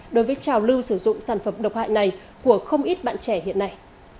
đối với trào lưu sử dụng sản phẩm độc hại này của không ít bạn trẻ hiện nay